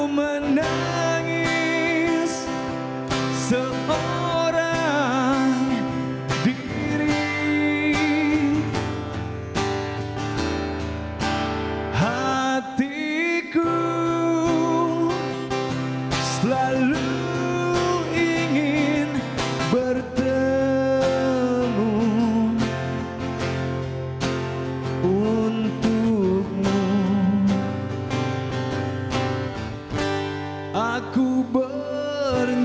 kata mereka diriku selalu dimanjakan